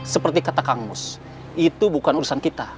seperti kata kang mus itu bukan urusan kita